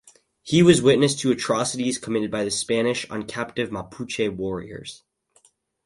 He was witness to atrocities committed by the Spanish on captive Mapuche warriors.